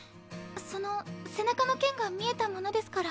その背中の剣が見えたものですから。